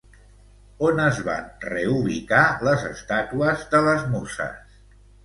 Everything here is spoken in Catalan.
On es van reubicar les estàtues de les Muses?